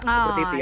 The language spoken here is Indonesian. seperti itu ya